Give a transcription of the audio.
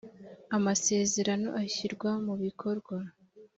amasezerano ashyirwa mu bikorwa